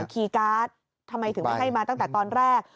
คีย์การ์ดทำไมถึงไม่ให้มาตั้งแต่ตอนแรก